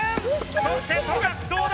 そして富樫どうだ？